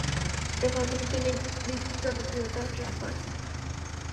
এর মাধ্যমে তিনি বিপুল জনপ্রিয়তা অর্জন করেন।